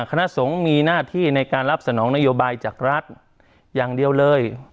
คณะสงฆ์มีหน้าที่ในการรับสนองนโยบายจากรัฐอย่างเดียวเลย